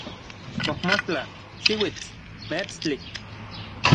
mojmostla, xiuitl, meetstli